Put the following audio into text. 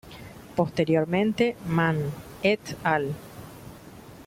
Posteriormente, Mann "et al".